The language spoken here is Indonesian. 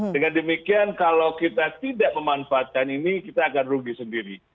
dengan demikian kalau kita tidak memanfaatkan ini kita akan rugi sendiri